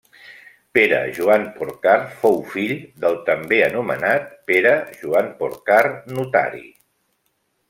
Pere Joan Porcar fou fill del també anomenat Pere Joan Porcar, notari.